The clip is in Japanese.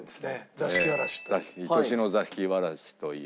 『座敷わらし』という。